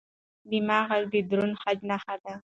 بم غږ د دروند خج نښه ده.